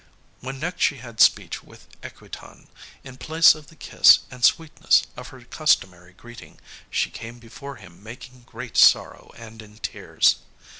When next she had speech with Equitan, in place of the kiss and sweetness of her customary greeting, she came before him making great sorrow and in tears.